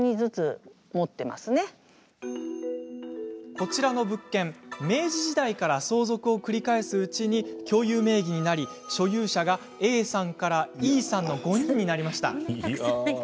こちらの物件、明治時代から相続を繰り返すうちに共有名義になり所有者がＡさんからＥさんの５人になりました。